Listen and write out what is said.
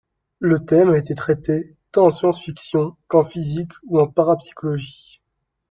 Le thème a été traité tant en science-fiction qu'en physique ou en parapsychologie.